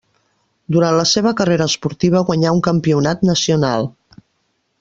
Durant la seva carrera esportiva guanyà un campionat nacional.